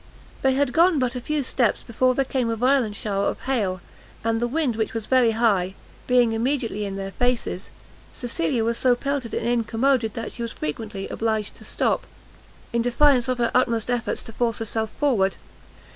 They had gone but a few steps, before there came a violent shower of hail; and the wind, which was very high, being immediately in their faces, Cecilia was so pelted and incommoded, that she was frequently obliged to stop, in defiance of her utmost efforts to force herself forward.